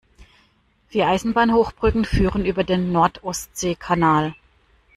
Vier Eisenbahnhochbrücken führen über den Nord-Ostsee-Kanal.